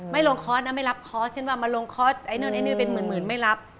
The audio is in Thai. ไม่ลงคอร์สนะไม่รับคอร์สฉันว่ามาลงคอร์สไอ้นู่นไอ้นี่เป็นหมื่นไม่รับ